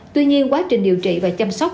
tuy nhiên quá trình điều trị và chăm sóc